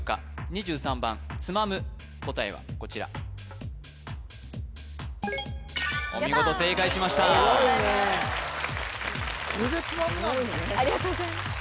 ２３番つまむ答えはこちらやったお見事正解しましたすごいねこれで撮むなんだありがとうございます